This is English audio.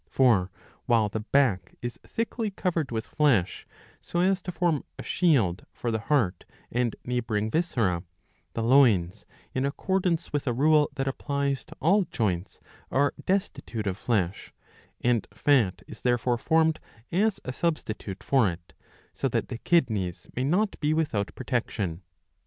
For while the 'back, is thickly covered with flesh, so as to form ^ shield for the heart and neighbouring viscera, the loins, in accordance with a rule that applies to all joints, are destitute of flesh ;^^ and fat is therefore formed as a substitute for it, so that the kidneys may not be without protection.